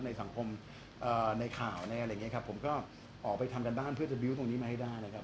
ในสังคมในข่าวในอะไรอย่างนี้ครับผมก็ออกไปทำการบ้านเพื่อจะบิวต์ตรงนี้มาให้ได้นะครับ